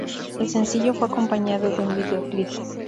El sencillo fue acompañado de un videoclip.